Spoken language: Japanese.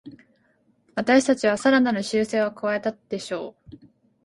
私たちはさらなる修正を加えたでしょう